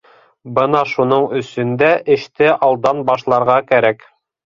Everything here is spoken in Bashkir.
— Бына шуның өсөн дә эште алдан башларға кәрәк.